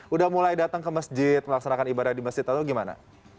udah mulai datang ke masjid melaksanakan ibadah di masjid atau gimana